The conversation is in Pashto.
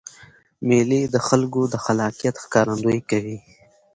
مېلې د خلکو د خلاقیت ښکارندویي کوي.